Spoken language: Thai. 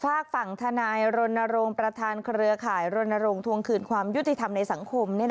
ฝากฝั่งทนายรณรงค์ประธานเครือข่ายรณรงค์ทวงคืนความยุติธรรมในสังคม